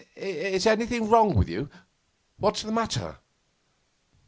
'Is anything wrong with you? What's the matter?